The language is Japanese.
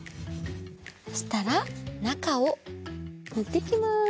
そしたらなかをぬっていきます！